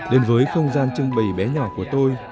đến với không gian trưng bày bé nhỏ của tôi